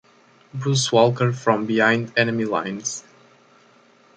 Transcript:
Bruce Walker from behind enemy lines.